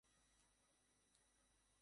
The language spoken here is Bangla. আমার তোমার আবার কী সিক্রেট বাবু?